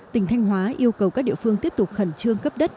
tỉnh thanh hóa yêu cầu các địa phương tiếp tục khẩn trương cấp đất